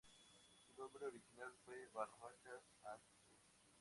Su nombre original fue Barracas al Sud.